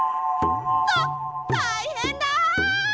たったいへんだ！